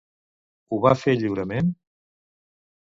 Ho van fer lliurement?